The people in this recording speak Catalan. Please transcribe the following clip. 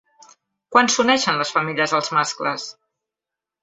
Quan s'uneixen les femelles als mascles?